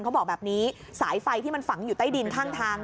เขาบอกแบบนี้สายไฟที่มันฝังอยู่ใต้ดินข้างทาง